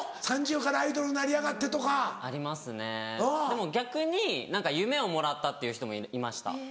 「３０歳からアイドルなりやがって」とか。ありますねでも逆に「夢をもらった」っていう人もいました。